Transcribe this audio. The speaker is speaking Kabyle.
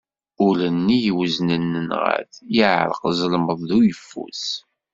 Ul-nni iweznen nenγa-t, yeԑreq ẓelmeḍ d uyeffus.